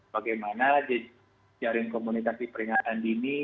bagaimana jaring komunikasi peringatan dini